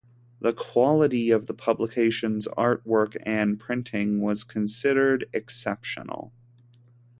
The quality of the publication's artwork and printing was considered exceptional.